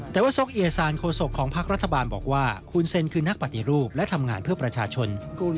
แต่ว่าซกเอียซานโฆษกของพักรัฐบาลบอกว่าคุณเซ็นคือนักปฏิรูปและทำงานเพื่อประชาชน